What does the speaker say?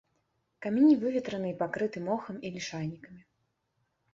Камяні выветраны і пакрыты мохам і лішайнікамі.